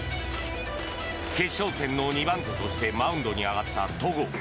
決勝戦の２番手としてマウンドに上がった戸郷。